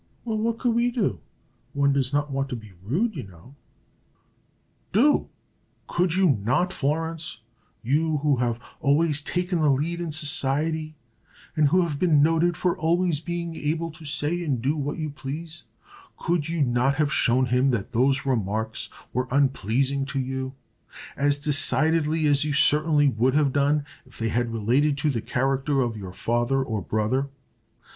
"Well, what could we do? One does not want to be rude, you know." "Do! Could you not, Florence, you who have always taken the lead in society, and who have been noted for always being able to say and do what you please could you not have shown him that those remarks were unpleasing to you, as decidedly as you certainly would have done if they had related to the character of your father or brother?